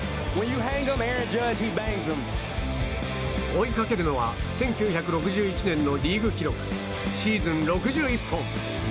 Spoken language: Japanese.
追いかけるのは１９６１年のリーグ記録、シーズン６１本。